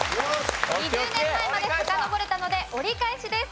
２０年前までさかのぼれたので折り返しです！